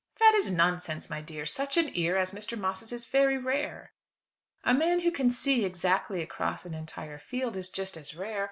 "That is nonsense, my dear. Such an ear as Mr. Moss's is very rare." "A man who can see exactly across an entire field is just as rare.